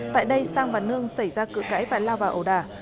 tại đây sang và nương xảy ra cự cãi và lao vào ổ đả